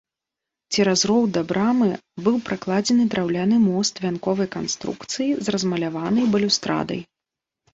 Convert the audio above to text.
Цераз роў да брамы быў пракладзены драўляны мост вянковай канструкцыі з размаляванай балюстрадай.